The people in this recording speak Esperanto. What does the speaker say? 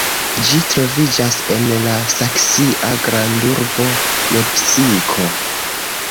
Ĝi troviĝas en la saksia grandurbo Lepsiko.